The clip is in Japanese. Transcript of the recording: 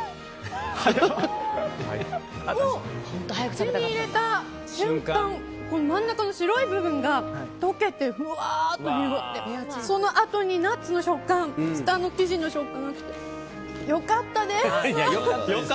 口に入れた瞬間真ん中の白い部分が溶けてふわっと広がってそのあとにナッツの食感下の生地の食感が来て良かったです！